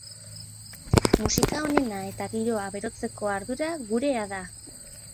Musika onena eta giroa berotzeko ardura gurea da!